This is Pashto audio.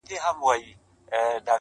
ماته ستا سونډې ماته ستا د مخ څېره راښيي,